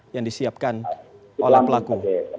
yang disiapkan oleh pelaku